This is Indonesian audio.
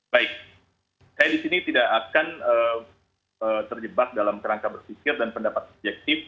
baik saya di sini tidak akan terjebak dalam kerangka bersikir dan pendapat subjektif